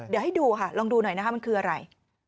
เดี๋ยวให้ดูค่ะลองดูหน่อยนะคะมันคืออะไร